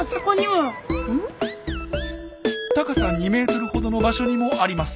高さ２メートルほどの場所にもあります。